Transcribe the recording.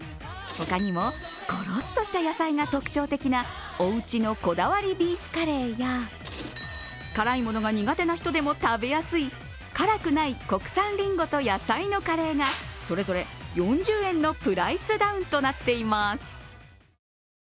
他にも、ごろっとした野菜が特徴的なおうちのこだわりビーフカレーや辛いものが苦手な人でも食べやすい辛くない国産りんごと野菜のカレーがそれぞれ４０円のプライスダウンとなっています。